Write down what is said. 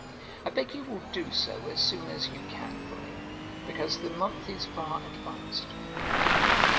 I beg you will do so as soon as you can for me, because the month is far advanced.'